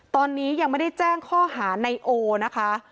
ตอนนี้ยังไม่ได้แจ้งข้อหาในโอนะคะ